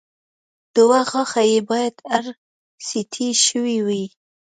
دوه غاښه يې باید ار سي ټي شوي وای